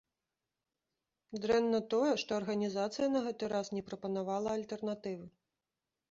Дрэнна тое, што арганізацыя на гэты раз не прапанавала альтэрнатывы.